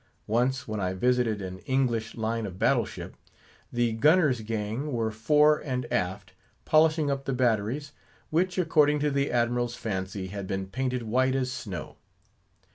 Once when I visited an English line of battle ship, the gunner's gang were fore and aft, polishing up the batteries, which, according to the Admiral's fancy, had been painted white as snow.